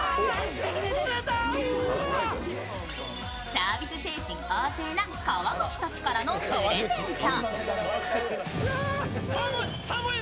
サービス精神旺盛な川口たちからのプレゼント。